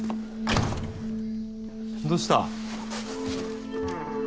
どうした？